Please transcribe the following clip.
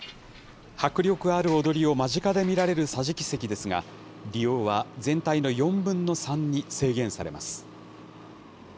迫力ある踊りを間近で見られる桟敷席ですが、利用は全体の４分の３に制限されます。